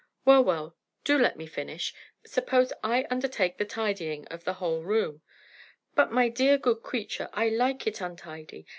"Well, well; do let me finish. Suppose I undertake the tidying of the whole room?" "But, my dear, good creature, I like it untidy.